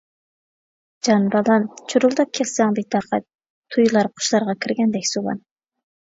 جان بالام، چۇرۇلداپ كەتسەڭ بىتاقەت، تۇيۇلار قۇشلارغا كىرگەندەك زۇۋان.